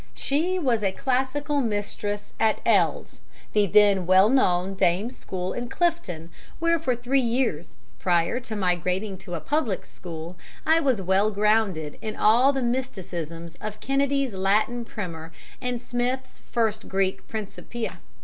She was classical mistress at L.'s, the then well known dame school in Clifton, where for three years prior to migrating to a Public School I was well grounded in all the mysticisms of Kennedy's Latin Primer and Smith's First Greek Principia.